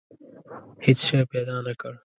هېڅ شی پیدا نه کړ.